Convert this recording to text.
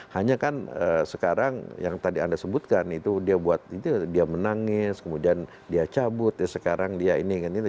hanya kan sekarang yang tadi anda sebutkan itu dia buat itu dia menangis kemudian dia cabut ya sekarang dia ini kan itu